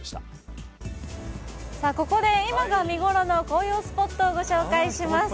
ここで今が見頃の紅葉スポットをご紹介します。